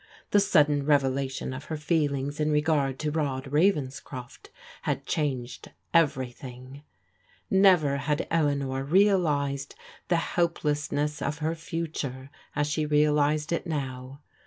The sudden revelation of her feelings in re gard to Rod Ravenscroft had changed everjrthing. Never had Eleanor realized the helplessness of her future as she realized it now.